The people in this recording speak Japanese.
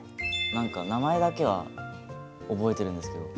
何か名前だけは覚えてるんですけど。